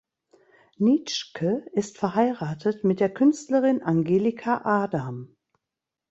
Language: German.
Nitschke ist verheiratet mit der Künstlerin Angelika Adam.